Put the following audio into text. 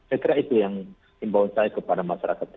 saya kira itu yang saya ingin bawa kepada masyarakat